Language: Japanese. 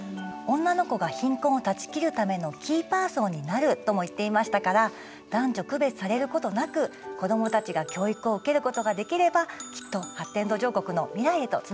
「女の子が貧困を断ち切るためのキーパーソンになる」とも言っていましたから男女区別されることなく子どもたちが教育を受けることができればきっと発展途上国の未来へとつながると思います。